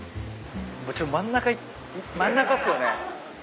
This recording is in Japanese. ちょ真ん中真ん中っすよね。